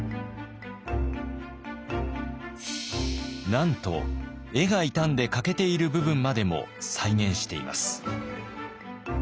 なんと絵が傷んで欠けている部分までも再現しています。